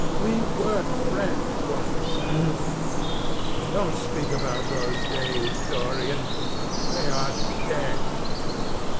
We were friends once, Alan." "Don't speak about those days, Dorian—they are dead."